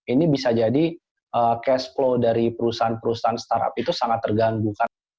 ini bisa jadi cash flow dari perusahaan perusahaan startup itu sangat terganggu